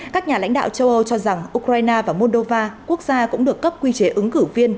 các nhà lãnh đạo châu âu cho rằng ukraine và moldova quốc gia cũng được cấp quy chế ứng cử viên